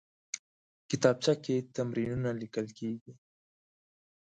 کتابچه کې تمرینونه لیکل کېږي